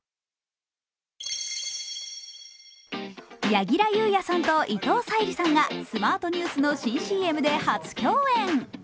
柳楽優弥さんと伊藤沙莉さんがスマートニュースの新ＣＭで初共演。